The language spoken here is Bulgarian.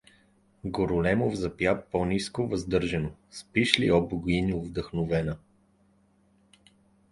Горолемов запя, но ниско, въздържано: Спиш ли, о богиньо вдъхновена!